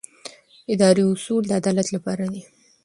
اداري اصول د عدالت لپاره دي.